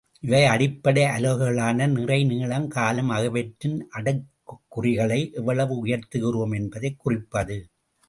இவை அடிப்படை அலகுகளான நிறை, நீளம், காலம் ஆகியவற்றின் அடுக்குக்குறிகளை எவ்வளவு உயர்த்துகிறோம் என்பதைக் குறிப்பது.